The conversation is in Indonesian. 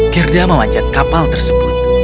gerda memanjat kapal tersebut